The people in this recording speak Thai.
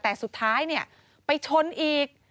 แต่สุดท้ายไปชนอีก